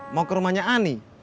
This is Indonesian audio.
mau ke rumahnya ani